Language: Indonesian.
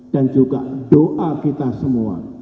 dan juga doa kita semua